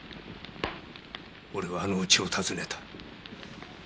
俺はあのウチを訪ねた。